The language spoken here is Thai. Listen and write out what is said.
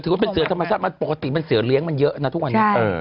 ว่าเป็นเสือธรรมชาติมันปกติมันเสือเลี้ยงมันเยอะนะทุกวันนี้